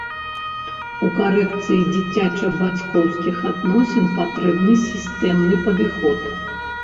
У карэкцыі дзіцяча-бацькоўскіх адносін патрэбны сістэмны падыход.